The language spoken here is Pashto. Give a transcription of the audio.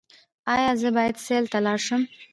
ایا زه باید سیل ته لاړ شم؟